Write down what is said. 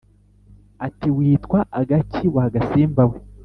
ati: "witwa agaki wa gasimba we?"